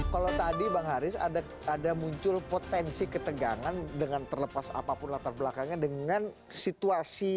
kalau tadi bang haris ada muncul potensi ketegangan dengan terlepas apapun latar belakangnya dengan situasi